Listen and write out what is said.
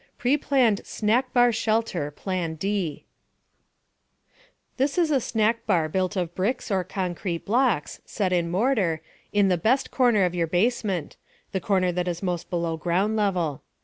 PREPLANNED SNACK BAR SHELTER PLAN D This is a snack bar built of bricks or concrete blocks, set in mortar, in the "best" corner of your basement (the corner that is most below ground level).